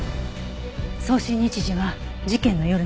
送信日時は事件の夜ね。